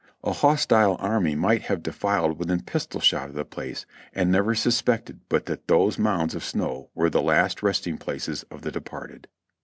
A hostile army might have defiled within pistol shot of the place and never suspected but that those mounds of snow were the last resting places of the departed.